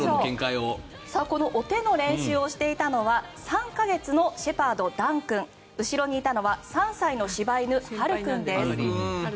このお手の練習をしていたのは３か月のシェパード、ダン君後ろにいたのは３歳の柴犬、はる君です。